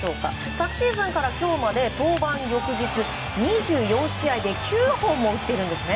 昨シーズンから今日まで登板翌日２４試合で９本も打っているんですね。